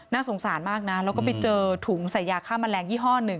น่าสงสารมากนะแล้วก็ไปเจอถุงสายยาค่ามันแรงยี่ห้อ๑